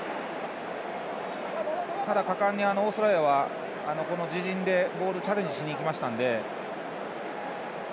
ただ、果敢にオーストラリアは自陣でボールチャレンジしにいきましたので。